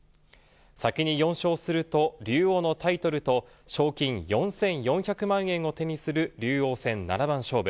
先に４勝すると竜王のタイトルと賞金４４００万円を手にする竜王戦七番勝負。